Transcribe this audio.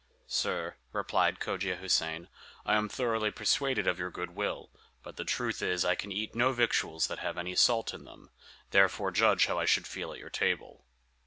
"Sir," replied Cogia Houssain, "I am thoroughly persuaded of your good will; but the truth is, I can eat no victuals that have any salt in them; therefore judge how I should feel at your table."